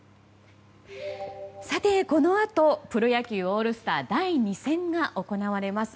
さて、このあとプロ野球オールスター第２戦が行われます。